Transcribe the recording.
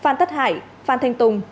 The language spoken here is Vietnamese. phan tất hải phan thanh tùng